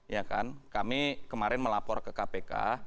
ya kan kami kemarin melapor ke kpk